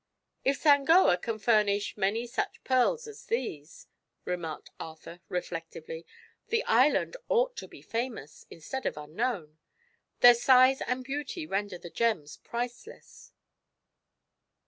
"If Sangoa can furnish many such pearls as these," remarked Arthur, reflectively, "the island ought to be famous, instead of unknown. Their size and beauty render the gems priceless."